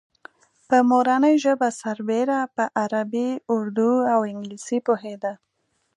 په مورنۍ ژبه سربېره په عربي، اردو او انګلیسي پوهېده.